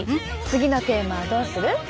次のテーマはどうする？